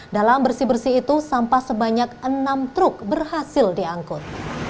dalam bersih bersih itu sampah sebanyak enam truk berhasil diangkut